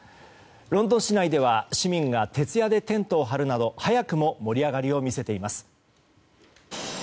ロンドン市内では市民が徹夜でテントを張るなど早くも盛り上がりを見せています。